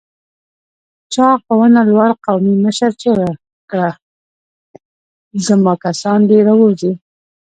چاغ په ونه لوړ قومي مشر چيغه کړه! زما کسان دې راووځي!